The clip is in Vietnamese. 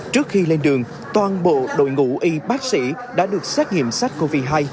trước khi lên đường toàn bộ đội ngũ y bác sĩ đã được xét nghiệm sát covid hai